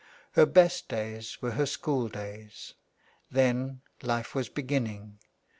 Her best days were her school days. Then life was beginning.